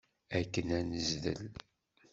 Akken ad nezdel.